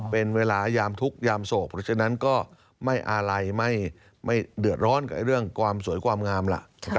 เป็นเวลายามทุกข์ยามโศกเพราะฉะนั้นก็ไม่อะไรไม่เดือดร้อนกับเรื่องความสวยความงามล่ะ